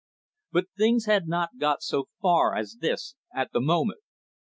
But things had not got so far as this at the moment.